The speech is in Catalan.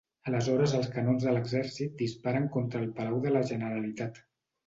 Aleshores els canons de l'exèrcit disparen contra el Palau de la Generalitat.